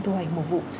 thu hoạch mùa vụ